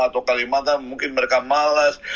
atau kalimantan mungkin mereka malas